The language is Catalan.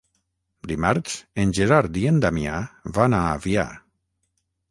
Dimarts en Gerard i en Damià van a Avià.